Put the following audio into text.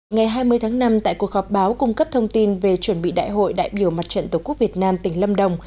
ngày hai mươi tháng năm tại cuộc họp báo cung cấp thông tin về chuẩn bị đại hội đại biểu mặt trận tổ quốc việt nam tỉnh lâm đồng